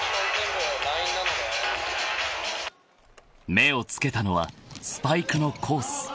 ［目を付けたのはスパイクのコース］